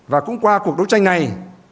và cũng qua cuộc đấu tranh này